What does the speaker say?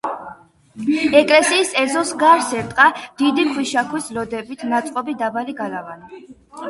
ეკლესიის ეზოს გარს ერტყა დიდი ქვიშაქვის ლოდებით ნაწყობი დაბალი გალავანი.